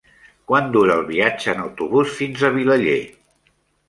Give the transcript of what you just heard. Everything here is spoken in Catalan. Quant dura el viatge en autobús fins a Vilaller?